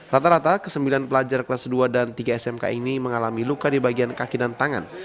rata rata ke sembilan pelajar kelas dua dan tiga smk ini mengalami luka di bagian kaki dan tangan